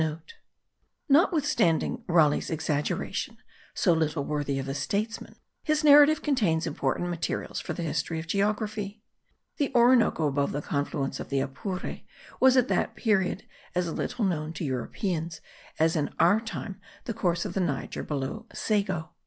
Notwithstanding Raleigh's exaggeration, so little worthy of a statesman, his narrative contains important materials for the history of geography. The Orinoco above the confluence of the Apure was at that period as little known to Europeans, as in our time the course of the Niger below Sego.